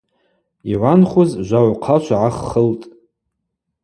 Йгӏванхуз жвагӏвхъачва гӏаххылтӏ.